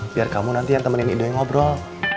biar kamu nanti yang temenin idoi ngobrol